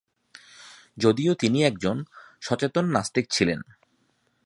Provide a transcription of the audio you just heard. যদিও তিনি একজন সচেতন নাস্তিক ছিলেন।